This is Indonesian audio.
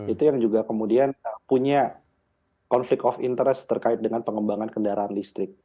itu yang juga kemudian punya konflik of interest terkait dengan pengembangan kendaraan listrik